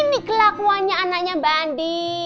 ini kelakuannya anaknya bandi